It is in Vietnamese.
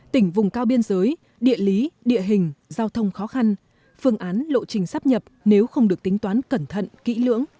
tỉnh vùng cao biên giới địa lý địa hình giao thông khó khăn phương án lộ trình sắp nhập nếu không được tính toán cẩn thận kỹ lưỡng